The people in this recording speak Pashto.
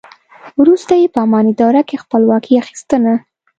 وروسته یې په اماني دوره کې خپلواکي اخیستنه.